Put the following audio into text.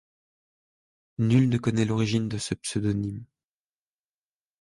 Nul ne connaît l'origine de ce pseudonyme.